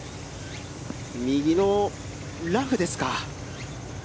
右のラフですか。